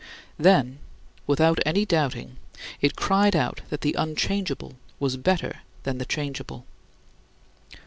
Then, without any doubting, it cried out that the unchangeable was better than the changeable.